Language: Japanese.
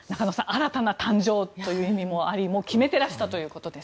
新たな誕生という意味もあり決めていらしたということです。